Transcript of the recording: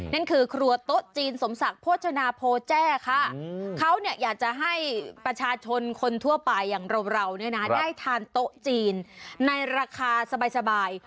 นั่นคือครัวโต๊ะจีนสมศักดิ์โภชนาโพแจ้ค่ะเขาเนี่ยอยากจะให้ประชาชนคนทั่วไปอย่างเราเนี่ยนะได้ทานโต๊ะจีนในราคาสบาย